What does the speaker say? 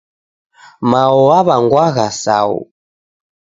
Mao waw'angwagha Sau.